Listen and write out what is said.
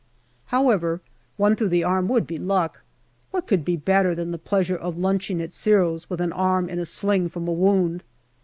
However, one through the arm would be luck. What could be better than the pleasure of lunching at Giro's with an arm in a sling from a wound